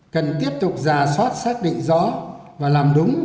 cần tiếp tục giả soát xác định rõ và làm đúng